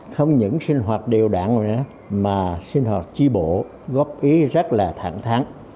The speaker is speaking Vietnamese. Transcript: không những sinh hoạt điều đạn mà sinh hoạt chi bộ góp ý rất là thẳng thắng